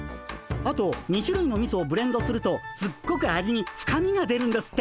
あと２しゅるいのみそをブレンドするとすっごく味に深みが出るんですって。